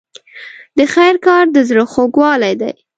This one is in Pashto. د خیر کار د زړه خوږوالی دی.